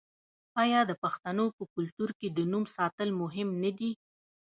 آیا د پښتنو په کلتور کې د نوم ساتل مهم نه دي؟